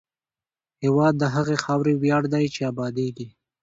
هېواد د هغې خاورې ویاړ دی چې ابادېږي.